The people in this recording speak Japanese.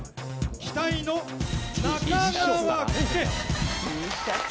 期待の中川家！